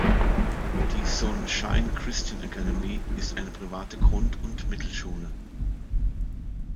Die Son-Shine Christian Academy ist eine private Grund- und Mittelschule.